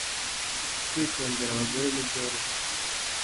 Kwitondera abagore ntibyoroshye